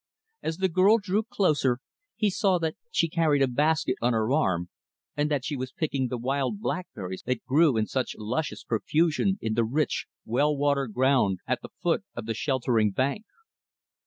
As the girl drew closer, he saw that she carried a basket on her arm, and that she was picking the wild blackberries that grew in such luscious profusion in the rich, well watered ground at the foot of the sheltering bank.